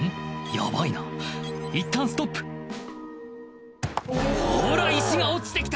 ヤバいないったんストップほら石が落ちて来た！